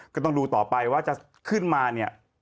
ก็ต้องดูต่อไปว่าจะขึ้นมาเนี่ย